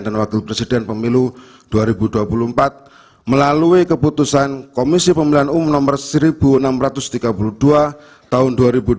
dan wakil presiden pemilu dua ribu dua puluh empat melalui keputusan komisi pemilihan umum nomor seribu enam ratus tiga puluh dua tahun dua ribu dua puluh tiga